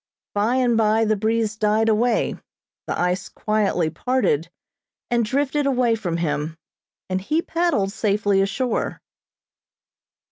By and by the breeze died away, the ice quietly parted, and drifted away from him, and he paddled safely ashore.